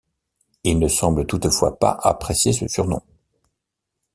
Il ne semble toutefois pas apprécier ce surnom.